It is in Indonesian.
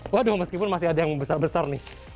waduh meskipun masih ada yang besar besar nih